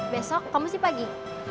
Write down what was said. besok kamu sih pagi